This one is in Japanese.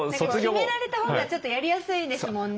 決められたほうがちょっとやりやすいですもんね。